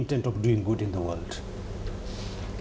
สติว่าคุณพูดถึงสังหรับความดีในโลก